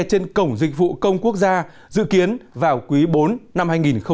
trên cổng dịch vụ công quốc gia dự kiến vào quý bốn năm hai nghìn một mươi chín